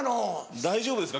大丈夫ですか？